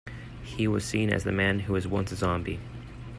He was seen as the man who was once a zombie.